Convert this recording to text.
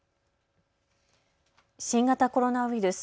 新型コロナウイルス。